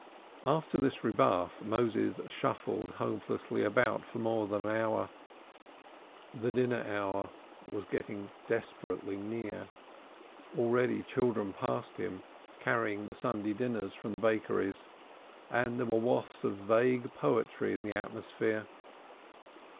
After this rebuff, Moses shuffled hopelessly about for more than an hour; the dinner hour was getting desperately near; already children passed him, carrying the Sunday dinners from the bakeries, and there were wafts of vague poetry in the atmosphere.